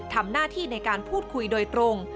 ทำหน้าที่ในการพูดคุยโดยตรง